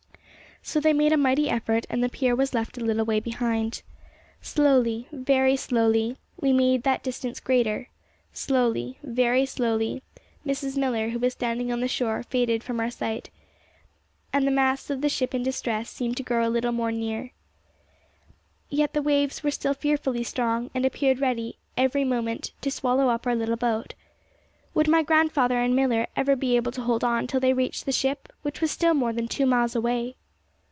So they made a mighty effort, and the pier was left a little way behind. Slowly, very slowly, we made that distance greater; slowly, very slowly, Mrs. Millar, who was standing on the shore, faded from our sight, and the masts of the ship in distress seemed to grow a little more near. Yet the waves were still fearfully strong, and appeared ready, every moment, to swallow up our little boat. Would my grandfather and Millar ever be able to hold on till they reached the ship, which was still more than two miles away?